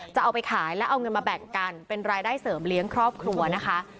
จะเอาไปขายแล้วเอาเงินมาแบ่งกันเป็นรายได้เสริมเลี้ยงครอบครัวนะคะ